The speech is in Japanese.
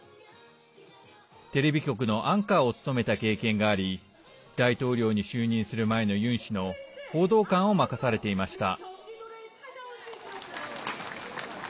テレビ局のアンカーを務めた経験があり大統領に就任する前のユン氏の報道官を任されていました。